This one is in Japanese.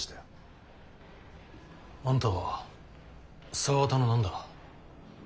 あんたは沢田の何だ？